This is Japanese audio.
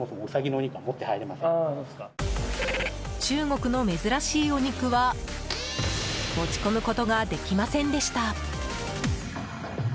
中国の珍しいお肉は持ち込むことができませんでした。